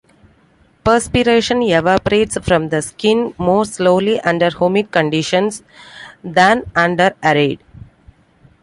Perspiration evaporates from the skin more slowly under humid conditions than under arid.